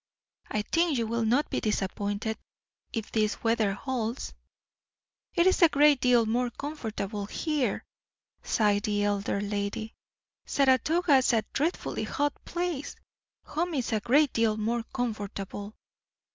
"I think you will not be disappointed, if this weather holds." "It is a great deal more comfortable here!" sighed the elder lady. "Saratoga's a dreadfully hot place! Home is a great deal more comfortable."